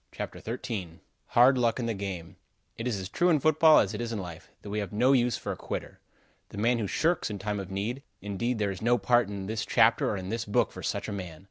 CHAPTER XIII HARD LUCK IN THE GAME It is as true in football, as it is in life, that we have no use for a quitter. The man who shirks in time of need indeed there is no part in this chapter or in this book for such a man.